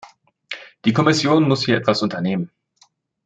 Die Kommission muss hier etwas unternehmen.